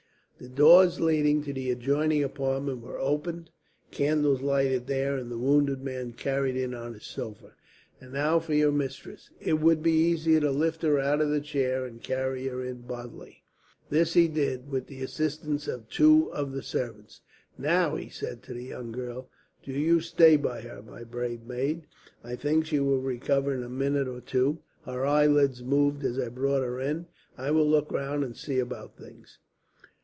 The doors leading to the adjoining apartment were opened, candles lighted there, and the wounded man carried in on his sofa. "And now for your mistress. It will be easier to lift her out of the chair, and carry her in bodily." This he did, with the assistance of two of the servants. "Now," he said to the young girl, "do you stay by her, my brave maid. I think she will recover in a minute or two. Her eyelids moved as I brought her in. I will look round and see about things.